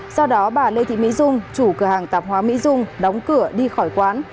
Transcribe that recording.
sau đó bà lê thị mỹ dung chủ cửa hàng tạp hóa mỹ dung đóng cửa đi khỏi quán